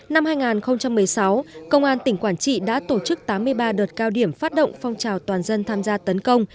năm hai nghìn một mươi sáu công an tỉnh quảng trị đã tổ chức tám mươi ba đợt cao điểm phát động phong trào toàn dân tham gia tấn công